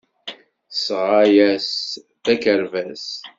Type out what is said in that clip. Tesɣa-as-d akerbas.